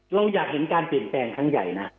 เราอยากเห็นการเปลี่ยนแปลงครั้งใหญ่นะ